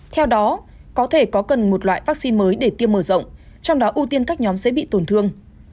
theo đó có thể có cần một loại vaccine mới để tiêm mở rộng trong đó ưu tiên các nhóm dễ bị tổn thương